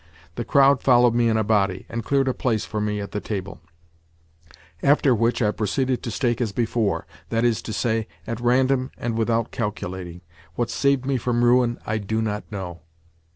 The crowd followed me in a body, and cleared a place for me at the table; after which, I proceeded to stake as before—that is to say, at random and without calculating. What saved me from ruin I do not know.